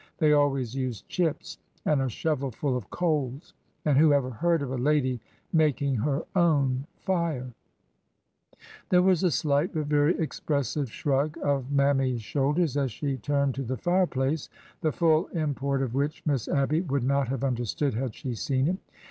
They always used chips and a shovelful of coals. And who ever heard of a lady making her own fire 1 There was a slight but very expressive shrug of Mam my's shoulders as she turned to the fireplace, the full im port of which Miss Abby would not have understood had she seen it.